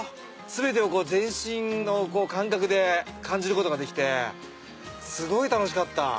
全てを全身の感覚で感じることができてすごい楽しかった。